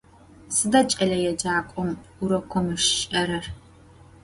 Sıda ç'eleêcak'om vurokım şiş'erer?